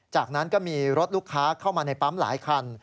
จากนั้นก็มีรถลูกค้าเข้ามาในปั๊มหลายคัน